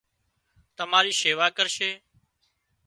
تماري شيوا ڪرشي